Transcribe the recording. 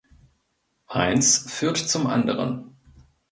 Eins führt zum anderen.